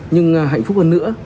nhưng hạnh phúc hơn nữa